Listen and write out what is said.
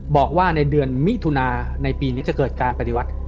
บอกว่าในเดือนมิถุนาในปีนี้จะเกิดการปฏิวัติ